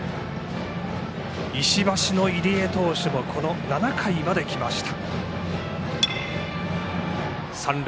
石橋の入江投手も７回まで来ました。